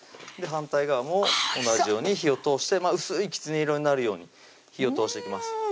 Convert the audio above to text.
反対側も同じように火を通して薄いきつね色になるように火を通していきます